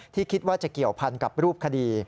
คิดว่าจะเกี่ยวพันกับรูปคดี